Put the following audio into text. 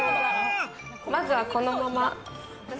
まずは、このまま。